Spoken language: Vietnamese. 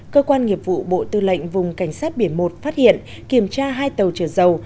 cơ quan nghiệp vụ bộ tư lệnh vùng cảnh sát biển một phát hiện kiểm tra hai tàu chở dầu